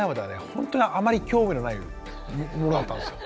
本当にあまり興味のないものだったんですよ。